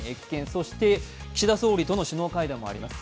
そして岸田総理との首脳会談もあります。